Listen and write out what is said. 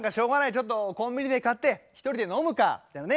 ちょっとコンビニで買って一人で飲むかみたいなね。